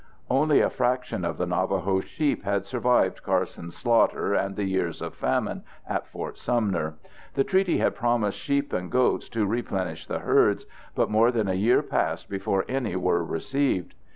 Only a fraction of the Navajos' sheep had survived Carson's slaughter and the years of famine at Fort Sumner. The treaty had promised sheep and goats to replenish the herds, but more than a year passed before any were received.